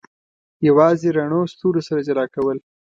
یوازې رڼو ستورو سره جلا کول.